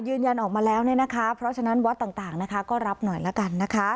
ยืนยันออกมาแล้วเนี่ยนะคะเพราะฉะนั้นวัดต่างนะคะก็รับหน่อยละกันนะคะ